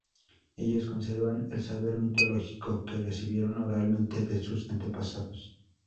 Ellos conservan el saber mitológico que recibieron oralmente de sus antepasados.